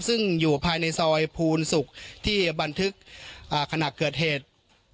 ซึ่งอยู่ภายในซอยภูนศุกร์ที่บันทึกขณะเกิดเหตุ